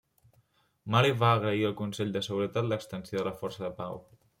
Mali va agrair al Consell de Seguretat l'extensió de la força de pau.